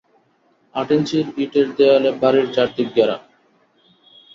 আট ইঞ্চি ইটের দেয়ালে বাড়ির চারদিক ঘেরা।